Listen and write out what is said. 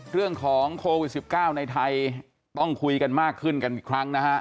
เรื่องของโควิด๑๙ในไทยต้องคุยกันมากขึ้นกันอีกครั้งนะฮะ